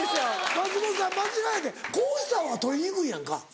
松本さん間違いやてこうした方が取りにくいやんか。